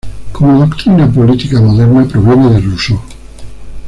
Como doctrina política moderna, proviene de Rousseau.